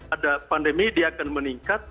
ada pandemi dia akan meningkat